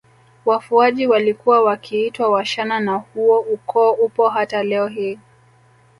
Wafuaji walikuwa wakiitwa Washana na huo ukoo upo hata leo hii